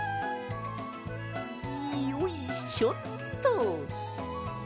よいしょっと！